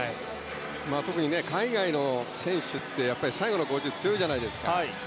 特に海外の選手って最後の５０が強いじゃないですか。